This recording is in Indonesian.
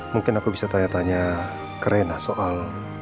mungkin aku bisa tanya tanya ke rena soal